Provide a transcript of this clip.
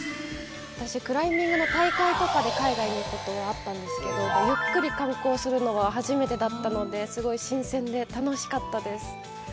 私、クライミングの大会とかで海外に行くことはあったんですけど、ゆっくり観光するのは初めてだったので、すごい新鮮で楽しかったです。